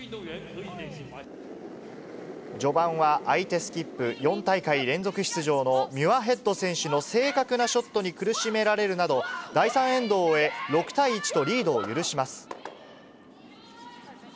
序盤は相手スキップ、４大会連続出場のミュアヘッド選手の正確なショットに苦しめられるなど、第３エンドを終え、６対１とリードを許します。